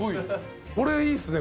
これいいっすね。